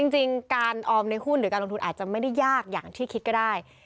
จริงการออมในหุ้นหรือการลงทุนอาจจะไม่ได้ยากอย่างที่คิดก็ได้